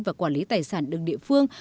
và quản lý tài sản đường địa phương